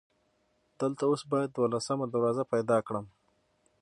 دلته اوس باید دولسمه دروازه پیدا کړم.